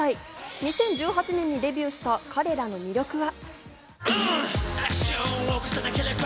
２０１８年にデビューした彼らの魅力は。